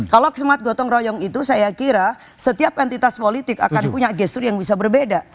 kalau semangat gotong royong itu saya kira setiap entitas politik akan punya gestur yang bisa berbeda